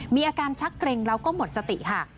มีอาการชักเกร็งแล้วก็หมดสติค่ะ